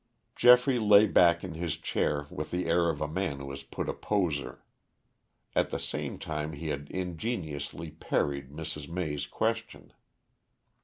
Geoffrey lay back in his chair with the air of a man who has put a poser. At the same time he had ingeniously parried Mrs. May's question.